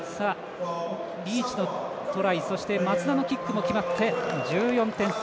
リーチのトライそして松田のキックも決まって１４点差。